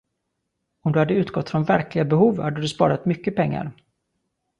Om du hade utgått från verkliga behov hade du sparat mycket pengar.